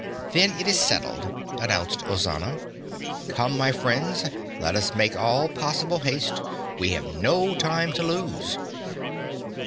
"Then it is settled," announced Ozana. "Come, my friends, let us make all possible haste. We have no time to lose."